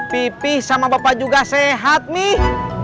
pipih sama bapak juga sehat nih